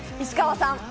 石川さん。